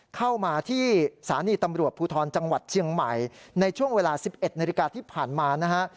เข้ามาที่สถานีตำรวจภูทรจังหวัดเชียงใหม่ในช่วงเวลา๑๑นาฬิกาที่ผ่านมานะฮะ